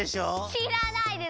しらないです。